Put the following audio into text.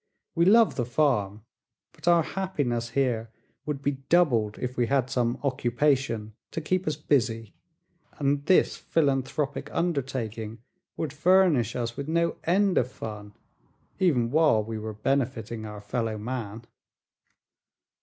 We love the farm, but our happiness here would be doubled if we had some occupation to keep us busy, and this philanthropic undertaking would furnish us with no end of fun, even while we were benefiting our fellow man."